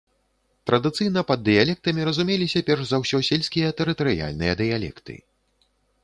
Традыцыйна пад дыялектамі разумеліся перш за ўсё сельскія тэрытарыяльныя дыялекты.